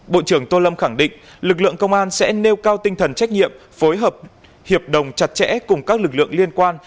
bộ trưởng tô lâm khẳng định lực lượng công an sẽ nêu cao tinh thần trách nhiệm phối hợp hiệp đồng chặt chẽ cùng các lực lượng liên quan